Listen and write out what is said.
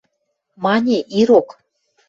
Мане, ирок.